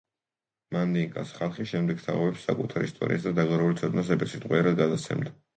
მანდინკას ხალხი შემდეგ თაობებს საკუთარ ისტორიას და დაგროვილ ცოდნას ზეპირსიტყვიერად გადასცემდა.